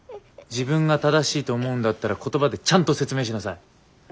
自分が正しいと思うんだったら言葉でちゃんと説明しなさい。